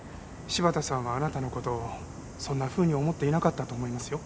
柴田さんはあなたの事をそんなふうに思っていなかったと思いますよ。